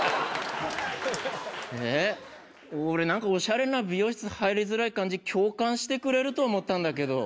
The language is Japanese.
俺なんか、おしゃれな美容室入りづらい感じ、共感してくれると思ったんだけど。